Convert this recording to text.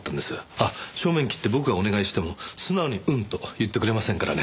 あっ正面切って僕がお願いしても素直に「うん」と言ってくれませんからね。